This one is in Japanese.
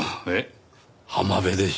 「浜辺でしょう」